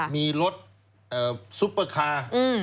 มีรถซุปเปอร์คาร์